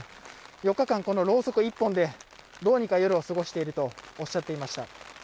４日間、ろうそく１本でどうにか夜を過ごしているとおっしゃっていました。